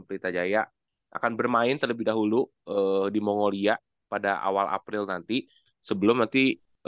pelita jaya akan bermain terlebih dahulu di mongolia pada awal april nanti sebelum nanti